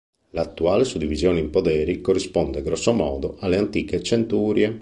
L'attuale suddivisione in poderi corrisponde, grosso modo, alle antiche centurie.